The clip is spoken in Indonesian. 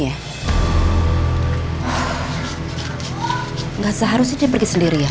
hai enggak seharusnya pergi sendirian